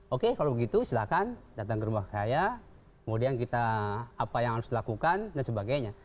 oke kalau begitu silahkan datang ke rumah saya kemudian kita apa yang harus dilakukan dan sebagainya